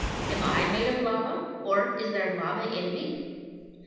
Am I made of lava? Or is there lava in me?